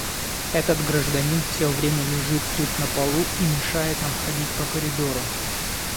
Этот гражданин все время лежит тут на полу и мешает нам ходить по коридору.